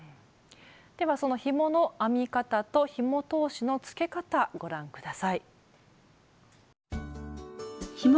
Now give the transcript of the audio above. ではそのひもの編み方とひも通しのつけ方ご覧下さい。